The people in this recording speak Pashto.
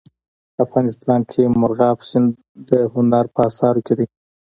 افغانستان کې مورغاب سیند د هنر په اثار کې دی.